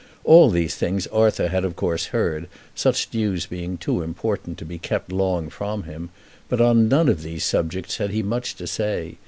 All these things Arthur had of course heard, such news being too important to be kept long from him; but on none of these subjects had he much to say.